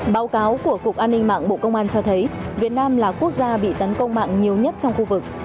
báo cáo của cục an ninh mạng bộ công an cho thấy việt nam là quốc gia bị tấn công mạng nhiều nhất trong khu vực